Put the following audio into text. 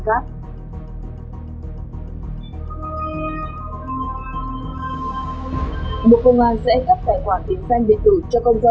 mạo hình xác hội